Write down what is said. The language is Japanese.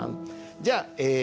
じゃあえ